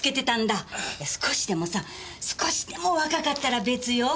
いや少しでもさ少しでも若かったら別よ？